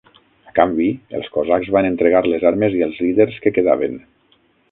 A canvi, els cosacs van entregar les armes i els líders que quedaven.